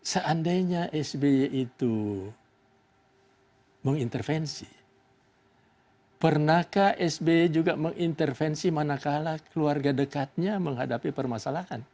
seandainya sby itu mengintervensi pernahkah sby juga mengintervensi manakala keluarga dekatnya menghadapi permasalahan